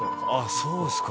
「そうですか」